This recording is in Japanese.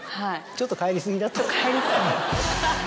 ちょっと帰り過ぎだと。